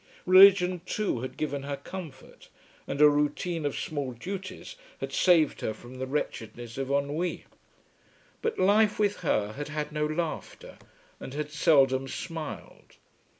Religion too had given her comfort, and a routine of small duties had saved her from the wretchedness of ennui. But life with her had had no laughter, and had seldom smiled.